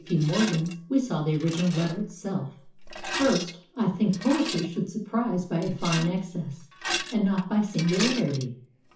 P. Morgan's we saw the original letter itself: 1st. I think poetry should surprise by a fine excess, and not by singularity.